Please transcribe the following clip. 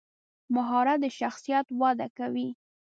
مهارت د شخصیت وده کوي.